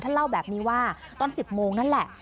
เล่าแบบนี้ว่าตอน๑๐โมงนั่นแหละ